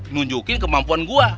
nunjukin kemampuan gua